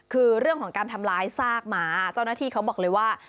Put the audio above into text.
คือเรื่องของการทำร้ายซากหมาเจ้าหน้าที่เขาบอกเลยว่า